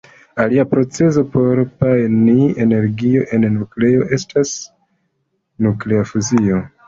Alia procezo por gajni energion el nukleo estas nuklea fuzio.